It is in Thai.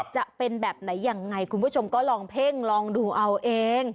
จะเป็นแบบไหนยังไงคุณผู้ชมก็ลองเพ่งลองดูเอาเอง